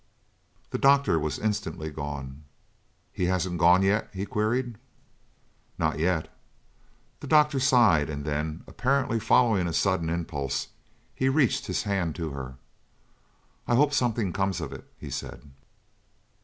The doctor was instantly gone. "He hasn't gone, yet?" he queried. "Not yet." The doctor sighed and then, apparently following a sudden impulse, he reached his hand to her. "I hope something comes of it," he said.